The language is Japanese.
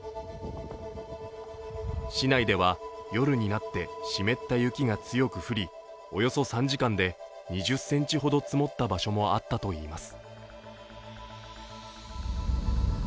市内では夜になって湿った雪が強く降りおよそ３時間で２０ｃｍほど積もった場所もあったといいます。